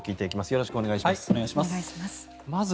よろしくお願いします。